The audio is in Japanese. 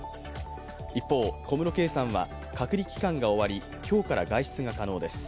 一方、小室圭さんは隔離期間が終わり今日から外出が可能です。